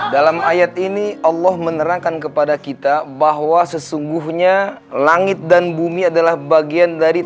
dalam ayat ini allah menerangkan kepada kita bahwa sesungguhnya langit dan bumi adalah bagian dari